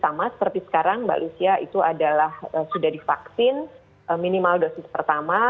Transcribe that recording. sama seperti sekarang mbak lucia itu adalah sudah divaksin minimal dosis pertama